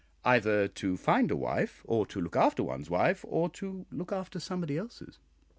"Either to find a wife, or to look after one's wife, or to look after somebody else's."